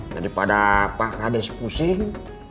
daripada pak kades pusing